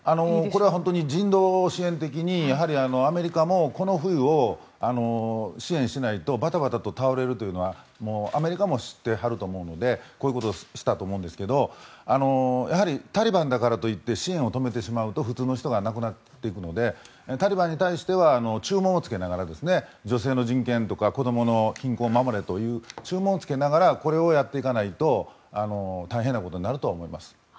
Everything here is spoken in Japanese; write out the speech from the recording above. これは本当に人道支援的にアメリカもこの冬を支援しないとバタバタと倒れるというのはもうアメリカも知ってはると思うのでこういうことをしたと思うんですがやはり、タリバンだからといって支援を止めてしまうと普通の人が亡くなっていくのでタリバンに対しては注文をつけながら女性の人権とか子どもの貧困を守れという注文をつけながらこれをやっていかないと大変なことになると思います。